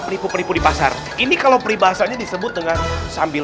penipu penipu di pasar ini kalau peribahasanya disebut dengan sambil